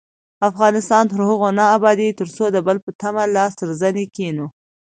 افغانستان تر هغو نه ابادیږي، ترڅو د بل په تمه لاس تر زنې کښينو.